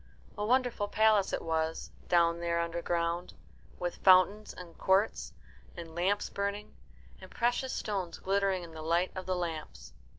A wonderful palace it was, down there underground, with fountains and courts, and lamps burning, and precious stones glittering in the light of the lamps.